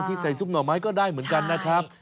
ใส่ซุปหน่อไม้ก็ได้เหมือนกันนะครับ